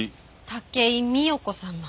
武井美代子様。